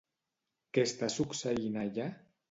Què està succeint allà?